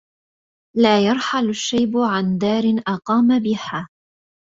لا يرحل الشيب عن دار أقام بها